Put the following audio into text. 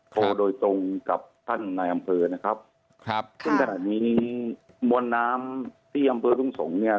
โทรโดยตรงกับท่านนายอำเภอนะครับครับซึ่งขณะนี้นี้มวลน้ำที่อำเภอทุ่งสงศ์เนี่ย